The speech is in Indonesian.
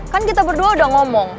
kan kita berdua udah ngomong